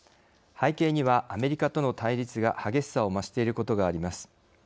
背景には、アメリカとの対立が激しさを増していることがあります。